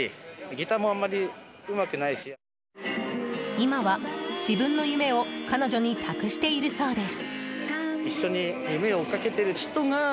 今は、自分の夢を彼女に託しているそうです。